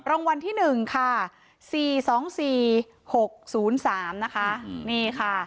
รางวัลที่หนึ่งค่ะสี่สองสี่หกศูนย์สามนะคะนี่ค่ะ